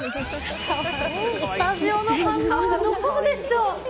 スタジオの反応、どうでしょう。